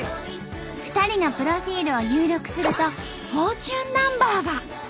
２人のプロフィールを入力するとフォーチュンナンバーが。